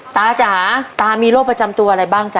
จ๋าตามีโรคประจำตัวอะไรบ้างจ๊